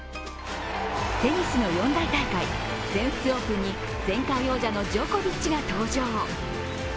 テニスの四大大会、全仏オープンに前回王者のジョコビッチが登場。